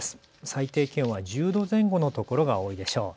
最低気温は１０度前後の所が多いでしょう。